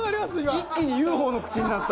一気にＵ．Ｆ．Ｏ．の口になった。